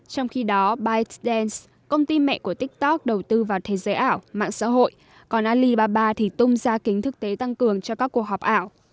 trong khi đó bite dance công ty mẹ của tiktok đầu tư vào thế giới ảo mạng xã hội còn alibaba thì tung ra kính thực tế tăng cường cho các cuộc họp ảo